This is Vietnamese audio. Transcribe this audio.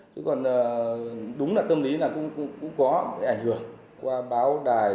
chứ còn lần đầu tiên đi nó cũng có kể cả không có dịch thì kể cả lần đầu tiên đi là cũng nhiều bác ngại